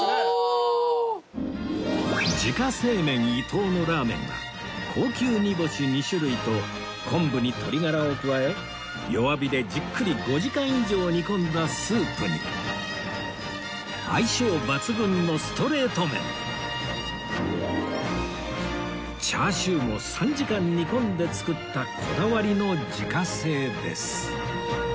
自家製麺伊藤のラーメンは高級煮干し２種類と昆布に鶏ガラを加え弱火でじっくり５時間以上煮込んだスープに相性抜群のストレート麺チャーシューも３時間煮込んで作ったこだわりの自家製です